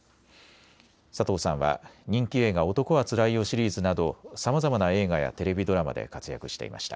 佐藤さんは人気映画、男はつらいよシリーズなどさまざまな映画やテレビドラマで活躍していました。